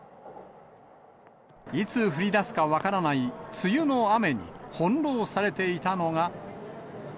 いつ降りだすか分からない梅雨の雨に、翻弄されていたのが。